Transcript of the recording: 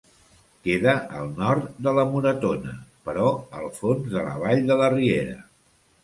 Queda al nord de la Moretona, però al fons de la vall de la riera.